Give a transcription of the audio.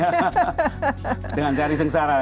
jangan cari sengsara